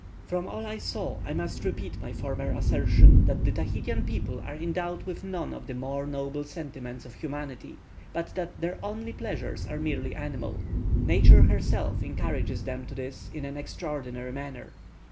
From all I saw, I must repeat my former assertion, that the Tahitian people are endowed with none of the more noble sentiments of humanity, but that their only pleasures are merely animal. Nature herself encourages them to this in an extraordinary manner.